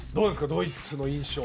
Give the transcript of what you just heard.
ドイツの印象。